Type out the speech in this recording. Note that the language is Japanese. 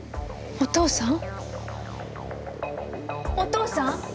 お父さん！